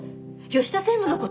吉田専務の事？